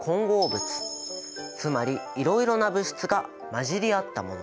つまりいろいろな物質が混じり合ったもの。